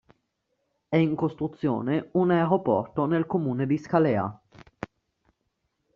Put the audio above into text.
È in costruzione un aeroporto nel comune di Scalea.